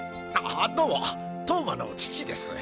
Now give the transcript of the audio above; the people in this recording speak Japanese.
どうも投馬の父です。